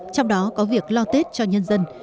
trong đó có việc lo tết cho nhân dân